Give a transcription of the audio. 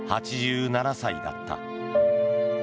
８７歳だった。